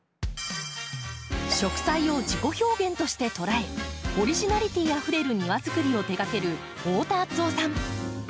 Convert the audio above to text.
植栽を自己表現として捉えオリジナリティーあふれる庭づくりを手がける太田敦雄さん。